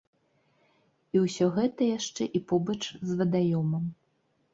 І ўсё гэта яшчэ і побач з вадаёмам.